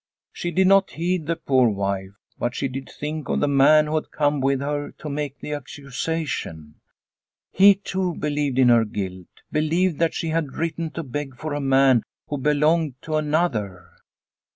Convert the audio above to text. She did not heed the poor wife, but she did think of the man who had come with her to make the accusation. He, too, believed in her guilt, believed that she had written to beg for a man who belonged to another.